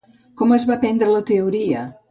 Com es va prendre la teoria?